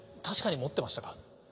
確かに持ってましたか？